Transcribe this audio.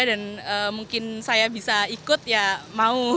dan mungkin saya bisa ikut ya mau